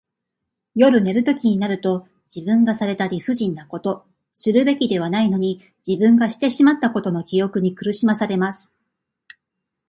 夜寝るときになると、自分がされた理不尽なこと、するべきではないのに自分がしてしまったことの記憶に苦しまされます。